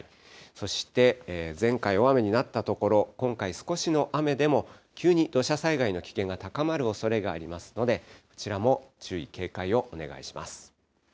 そして前回、大雨になった所、今回、少しの雨でも急に土砂災害の危険が高まるおそれがありますので、こちらも注意、警戒をお願いします。